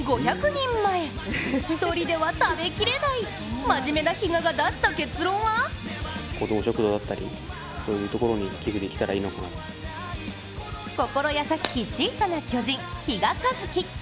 １人では食べきれない真面目な比嘉が出した結論は心優しき小さな巨人、比嘉一貴。